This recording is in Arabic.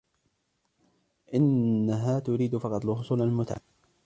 إنها تريد فقط الحصول على المتعة.